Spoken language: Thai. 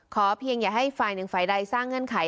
เพียงอย่าให้ฝ่ายหนึ่งฝ่ายใดสร้างเงื่อนไข